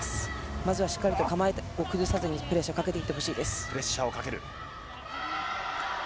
まずはしっかりと構えを崩さずにプレッシャーかけていってほしいです。